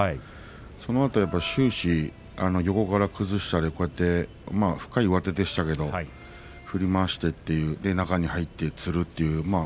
そのあと終始横から崩しており深い上手でしたが振り回して中に入ってつる。